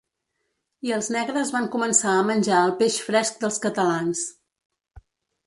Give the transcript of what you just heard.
I els negres van començar a menjar el peix fresc dels catalans.